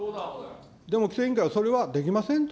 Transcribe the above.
でも規制委員会はそれはできませんと。